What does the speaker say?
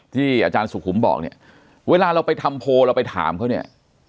ที่อาจารย์สุขุมบอกเนี่ยเวลาเราไปทำโพลเราไปถามเขาเนี่ย